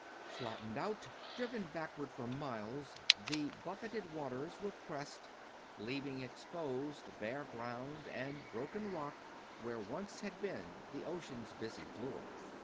Flattened out, driven backward for miles, the buffeted waters were pressed, leaving exposed bare ground and broken rock where once had been the ocean's busy floor.